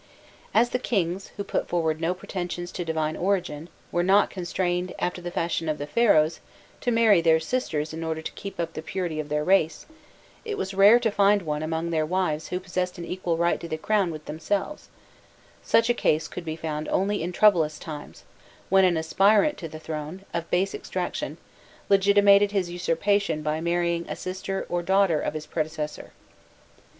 * As the kings, who put forward no pretensions to a divine origin, were not constrained, after the fashion of the Pharaohs, to marry their sisters in order to keep up the purity of their race, it was rare to find one among their wives who possessed an equal right to the crown with themselves: such a case could be found only in troublous times, when an aspirant to the throne, of base extraction, legitimated his usurpation by marrying a sister or daughter of his predecessor.